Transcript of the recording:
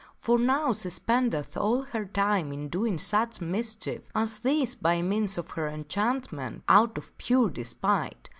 For now she spendeth all of her time in doing such mischief as this by means of her enchantment, out of pure despite.